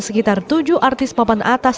sekitar tujuh artis papan atas